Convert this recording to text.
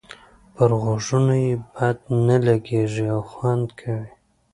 پر غوږونو یې بد نه لګيږي او خوند کوي.